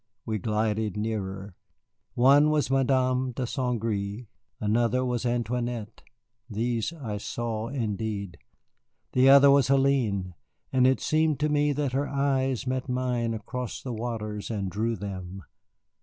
We glided nearer. One was Madame de St. Gré, another was Antoinette, these I saw indeed. The other was Hélène, and it seemed to me that her eyes met mine across the waters and drew them.